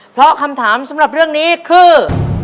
เพราะคำถามสำหรับเรื่องนี้คือ